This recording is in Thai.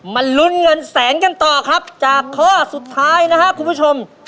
ลุ้นเงินแสนกันต่อครับจากข้อสุดท้ายนะครับคุณผู้ชม